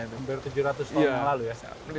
hampir tujuh ratus tahun yang lalu ya